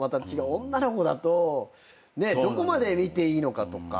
女の子だとどこまで見ていいのかとか。